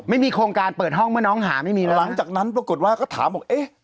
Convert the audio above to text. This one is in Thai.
ไม่มีโครงการเปิดห้องเมื่อน้องหาไม่มีแล้วหลังจากนั้นปรากฏว่าก็ถามบอกเอ๊ะ